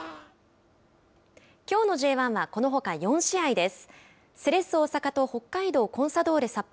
きょうのＪ１はこのほか４試合です。